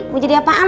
mau jadi apaan